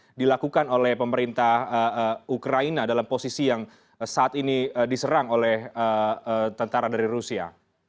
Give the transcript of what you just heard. apa yang dilakukan oleh pemerintah ukraina dalam posisi yang saat ini diserang oleh tentara dari rusia